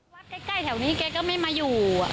วัดใกล้แถวนี้แกก็ไม่มาอยู่